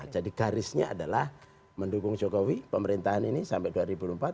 jadi garisnya adalah mendukung jokowi pemerintahan ini sampai dua ribu empat